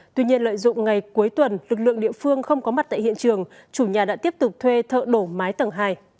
tuy nhiên lợi dụng ngày cuối tuần lực lượng địa phương không có mặt tại hiện trường chủ nhà đã tiếp tục thuê thợ đổ mái tầng hai